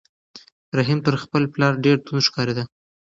رحیم تر خپل پلار ډېر توند ښکارېده.